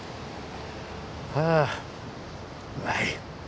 あうまい！